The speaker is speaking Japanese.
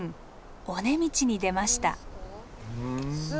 尾根道に出ました。